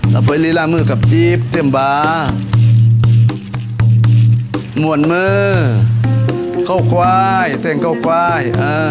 ต่อไปเรียนร่างมือกับจี๊บเตรียมบาหมวนมือเข้าควายเตรียมเก้าควาย